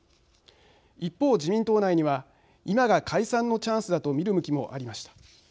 一方自民党内には今が解散のチャンスだと見る向きもありました。